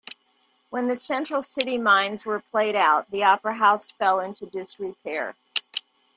When the Central City mines were played out, the Opera House fell into disrepair.